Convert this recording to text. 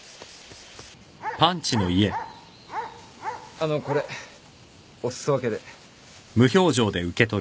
あのこれお裾分けで。